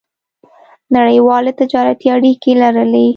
نړیوالې تجارتي اړیکې لرلې.